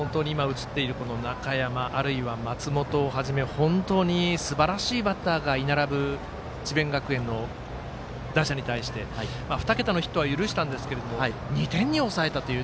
中山、松本をはじめ本当にすばらしいバッターが居並ぶ智弁学園の打者に対して２桁のヒットは許したんですけど２点に抑えたという。